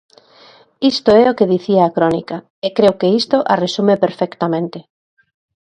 Isto é o que dicía a crónica, e creo que isto a resume perfectamente.